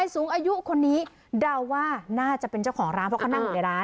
สูงอายุคนนี้เดาว่าน่าจะเป็นเจ้าของร้านเพราะเขานั่งอยู่ในร้าน